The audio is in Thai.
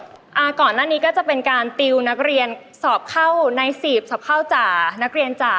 อ่าก่อนหน้านี้ก็จะเป็นการติวนักเรียนสอบเข้าในซีบสอบเข้าจ่านักเรียนจ่า